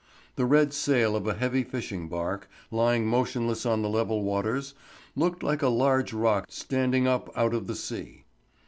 The red sail of a heavy fishing bark, lying motionless on the level waters, looked like a large rock standing up out of the sea.